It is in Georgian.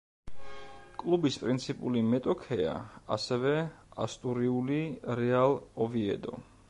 კლუბის პრინციპული მეტოქეა, ასევე ასტურიული „რეალ ოვიედო“.